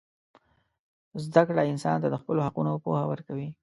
زدهکړه انسان ته د خپلو حقونو پوهه ورکوي.